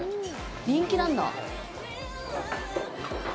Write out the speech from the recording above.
人気なんだ。